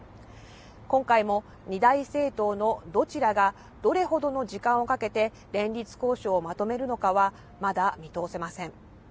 今回も二大政党のどちらがどれほどの時間をかけて、連立交渉をまとめるのかは、まだ見通せません。